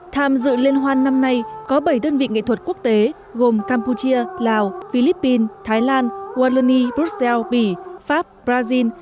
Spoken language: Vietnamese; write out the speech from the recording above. tham dự liên hoan năm nay có bảy đơn vị nghệ thuật quốc tế gồm campuchia lào philippines thái lan wallonie brussels bỉ pháp brazil